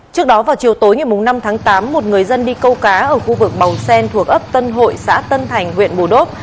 trước đó vào chiều tối ngày năm tháng tám một người dân đi câu cá ở khu vực bầu sen thuộc ấp tân hội xã tân thành huyện bù đốp